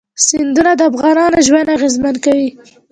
سیندونه د افغانانو ژوند اغېزمن کوي.